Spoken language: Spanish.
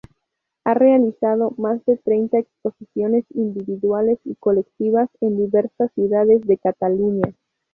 Ha realizado más de treinta exposiciones individuales y colectivas en diversas ciudades de Cataluña.